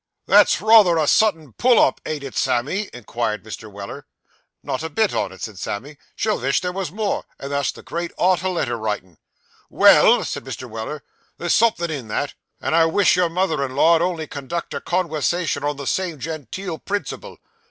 'That's rather a Sudden pull up, ain't it, Sammy?' inquired Mr. Weller. 'Not a bit on it,' said Sam; 'she'll vish there wos more, and that's the great art o' letter writin'.' 'Well,' said Mr. Weller, 'there's somethin' in that; and I wish your mother in law 'ud only conduct her conwersation on the same gen teel principle.